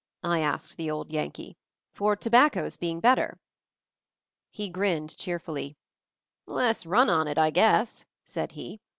I asked the old Yankee. "For tobacco's being bet ter?" He grinned cheerfully. "Less run on it, I guess," said he.